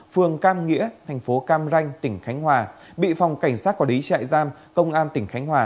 phường cam nghĩa thành phố cam ranh tỉnh khánh hòa bị phòng cảnh sát quả đí chạy giam công an tỉnh khánh hòa